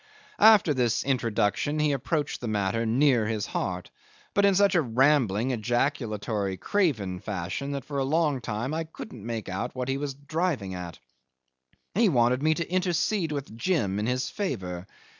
After this introduction he approached the matter near his heart, but in such a rambling, ejaculatory, craven fashion, that for a long time I couldn't make out what he was driving at. He wanted me to intercede with Jim in his favour.